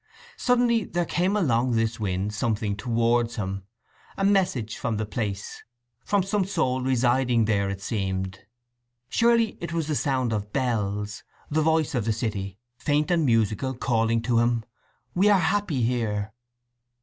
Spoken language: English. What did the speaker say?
Suddenly there came along this wind something towards him—a message from the place—from some soul residing there, it seemed. Surely it was the sound of bells, the voice of the city, faint and musical, calling to him, "We are happy here!"